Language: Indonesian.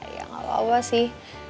ya gak apa apa sih